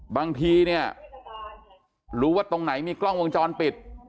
บางทีเนี่ยรู้ว่าตรงไหนมีกล้องวงจรปิด